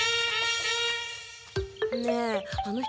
ねえあの人